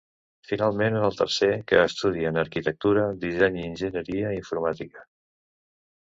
Finalment, en el tercer, que estudien Arquitectura, Disseny i Enginyeria Informàtica.